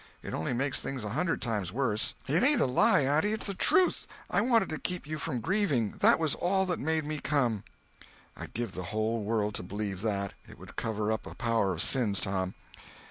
It only makes things a hundred times worse." "It ain't a lie, auntie; it's the truth. I wanted to keep you from grieving—that was all that made me come." "I'd give the whole world to believe that—it would cover up a power of sins, Tom.